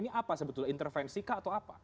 ini apa sebetulnya intervensi kah atau apa